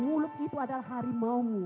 mulut itu adalah harimau mu